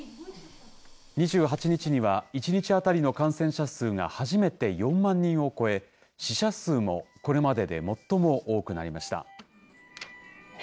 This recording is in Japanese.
２８日には、１日当たりの感染者数が初めて４万人を超え、死者数もこれまでで最も多くなりました。